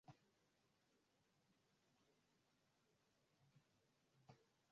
kumbuka sio orodha ya wajibu ni mwongozo